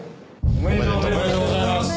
おめでとうございます。